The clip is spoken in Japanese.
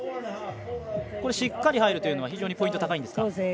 しっかり入るというのは非常にポイント高いんですか。